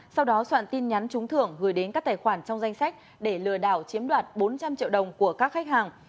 sau đó soạn tin nhắn trúng thưởng gửi đến các tài khoản trong danh sách để lừa đảo chiếm đoạt bốn trăm linh triệu đồng của các khách hàng